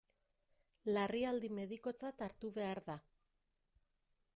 Larrialdi medikotzat hartu behar da.